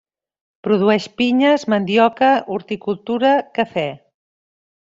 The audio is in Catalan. Produeix pinyes, mandioca, horticultura, cafè.